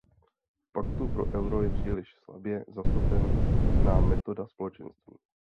V Paktu pro euro je příliš slabě zastoupena metoda Společenství.